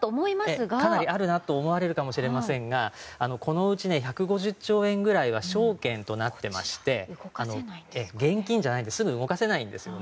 かなりあるなと思われるかもしれませんがこのうち１５０兆円ぐらいは証券となっていまして現金じゃないのですぐ動かせないんです。